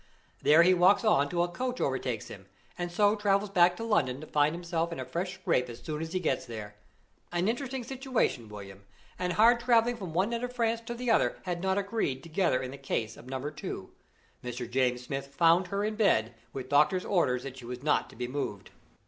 There he walks on till a coach overtakes him, and so travels back to London to find himself in a fresh scrape as soon as he gets there. An interesting situation, William, and hard traveling from one end of France to the other, had not agreed together in the case of Number Two. Mr. James Smith found her in bed, with doctor's orders that she was not to be moved.